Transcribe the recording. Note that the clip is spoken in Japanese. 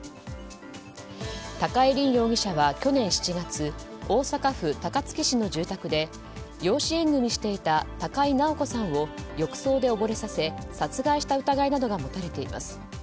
高井凜容疑者は去年７月大阪府高槻市の住宅で養子縁組していた高井直子さんを浴槽で溺れさせ殺害した疑いなどが持たれています。